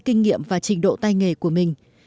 kinh nghiệm và trình độ tai nghề của mình